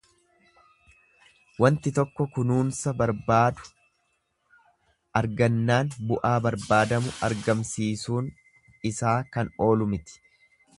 Wanti tokko kunuunsa barbaadu argannaan bu'aa barbaadamu argamsisuun isaa kan oolu miti.